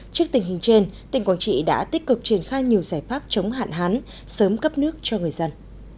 trước tình hình trên tỉnh quảng trị đã tích cực triển khai nhiều giải pháp chống hạn hán sớm cấp nước cho người dân